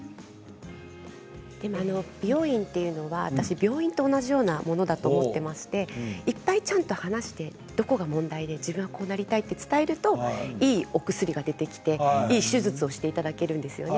美容院というのは私病院と同じようなものだと思っていまして１回ちゃんと話してどこが問題で自分はこうなりたいと伝えるといいお薬が出てきていい手術をしていただけるんですよね。